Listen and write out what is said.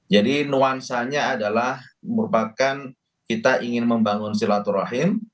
jadi nuansanya adalah merupakan kita ingin membangun silaturahim